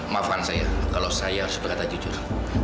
maafan saya kalau saya harus berkata jujur